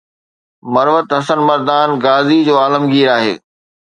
مروت حسن مردان غازي جو عالمگير آهي